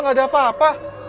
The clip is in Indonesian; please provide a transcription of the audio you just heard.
gak ada apa apa